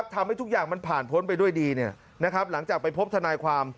ทำให้ทุกอย่างมันผ่านพ้นไปด้วยดีหลังจากไปพบทนายความ